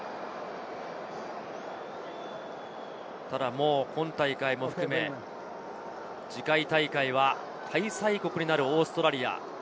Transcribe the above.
もう今大会も含め、次回大会は開催国になるオーストラリア。